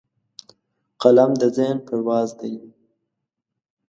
قلم د ذهن پرواز دی